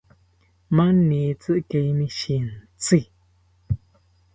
Manitzi ikeimi shintzi